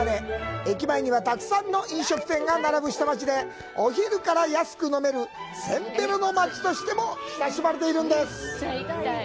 駅前にはたくさんの飲食店が並ぶ下町でお昼から安く飲めるせんべろの町としても親しまれています。